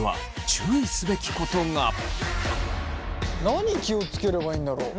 何気を付ければいいんだろう。